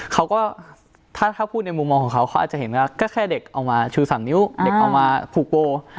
เขาก็ถ้าพูดในมุมมองของเขาเขาอาจจะเห็นว่าก็แค่เด็กเอามาชู๓นิ้วเด็กเอามาผูกโบ